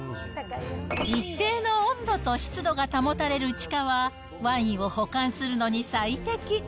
一定の温度と湿度が保たれる地下は、ワインを保管するのに最適。